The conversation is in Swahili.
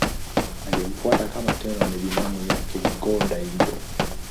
Aliyemfuata kama Tenno ni binamu yake Go-Daigo.